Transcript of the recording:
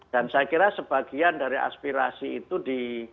dan saya kira sebagian dari aspirasi itu di